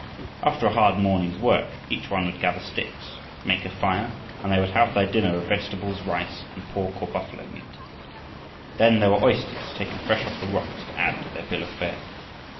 After a hard morning's work each one would gather sticks, make a fire, and they would have their dinner of vegetables, rice, and pork or buffalo meat. Then there were oysters, taken fresh off the rocks, to add to their bill of fare.